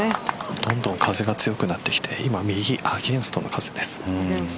どんどん風が強くなってきて右アゲンストの風です。